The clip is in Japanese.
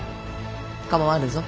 構わぬぞ。